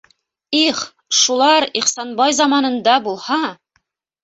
Их, шулар Ихсанбай заманында булһа!